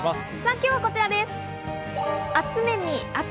今日はこちらです。